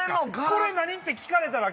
これ何？って聞かれたら。